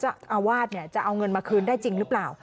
เจ้าอาวาสเนี่ยจะเอาเงินมาคืนได้จริงหรือเปล่า